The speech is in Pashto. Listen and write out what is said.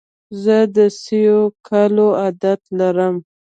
زه د سیو کولو عادت لرم.